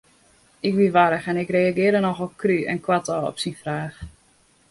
Ik wie warch en ik reagearre nochal krú en koartôf op syn fraach.